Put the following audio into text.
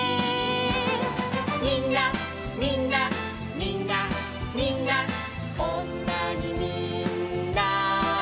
「みんなみんなみんなみんなこんなにみんな」